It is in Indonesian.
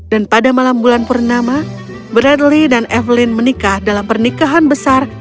dan pada malam bulan purnama bradley dan evelyn menikah dalam pernikahan besar